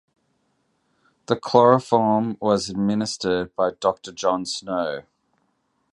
The chloroform was administered by Doctor John Snow.